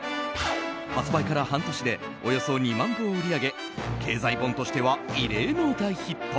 発売から半年でおよそ２万部を売り上げ経済本としては異例の大ヒット。